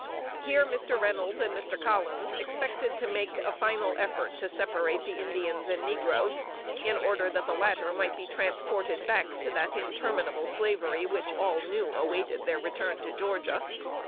Here Mr. Reynolds and Mr. Collins expected to make a final effort to separate the Indians and negroes, in order that the latter might be transported back to that interminable slavery which all knew awaited their return to Georgia.